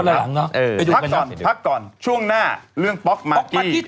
พักละหลังเนอะไปดูกันนะพักก่อนพักก่อนช่วงหน้าเรื่องป๊อกมากกี้